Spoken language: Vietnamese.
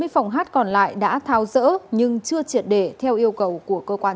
bốn mươi phòng hát còn lại đã thao dỡ nhưng chưa triệt để theo yêu cầu của cơ quan